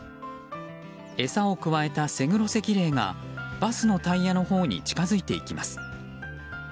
餌をくわえたセグロセキレイがバスのタイヤのほうに近づいていきます。